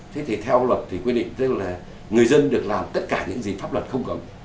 thế thì theo luật thì quy định tức là người dân được làm tất cả những gì pháp luật không cấm